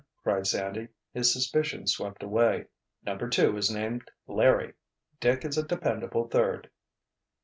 cried Sandy, his suspicions swept away. "Number two is named Larry." "Dick is a dependable third!"